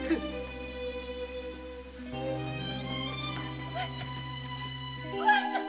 〔お前さん！